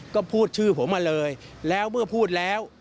ก็พูดชื่อผมมาเลยแล้วเมื่อพูดแล้ว